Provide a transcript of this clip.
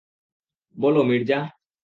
বলো, মির্জা।